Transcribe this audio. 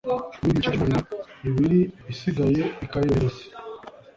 mu bindi bice by’umubiri, ibiri isigaye ikayohereza